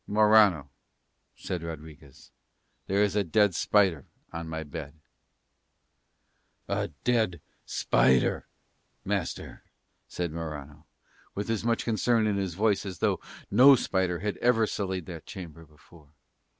"Morano," said Rodriguez, "there is a dead spider on my bed." "A dead spider, master?" said Morano, with as much concern in his voice as though no spider had ever sullied that chamber before.